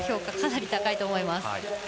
かなり高いと思います。